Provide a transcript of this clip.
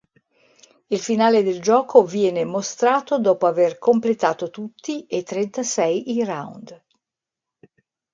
Il finale del gioco viene mostrato dopo aver completato tutti e trentasei i round.